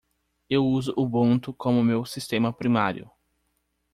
Eu uso Ubuntu como meu sistema primário.